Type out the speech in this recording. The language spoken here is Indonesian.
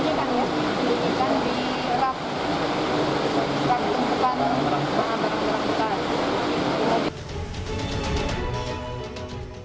ditemukan di rak rak gunung gunungan bangunan bangunan